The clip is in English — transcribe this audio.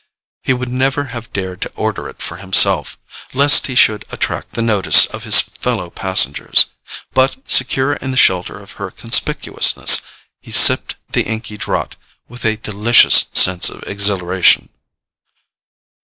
He would never have dared to order it for himself, lest he should attract the notice of his fellow passengers; but, secure in the shelter of her conspicuousness, he sipped the inky draught with a delicious sense of exhilaration.